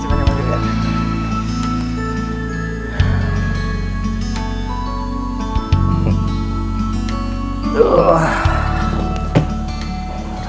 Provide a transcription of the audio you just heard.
iya terima kasih banyak banyak